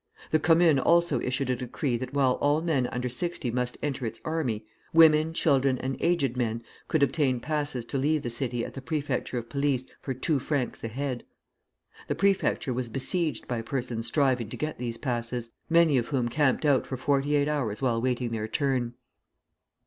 The Commune also issued a decree that while all men under sixty must enter its army, women, children, and aged men could obtain passes to leave the city at the prefecture of police for two francs a head. The prefecture was besieged by persons striving to get these passes, many of whom camped out for forty eight hours while waiting their turn.